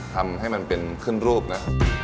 ทำให้มันเป็นขึ้นรูปนะครับ